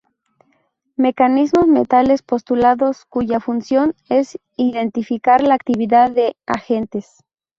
Mecanismos mentales postulados cuya función es identificar la actividad de agentes.